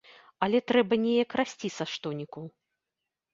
Але трэба неяк расці са штонікаў.